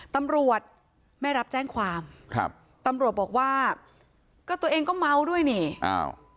ตำรวจไม่รับแจ้งความครับตำรวจบอกว่าก็ตัวเองก็เมาด้วยนี่อ้าว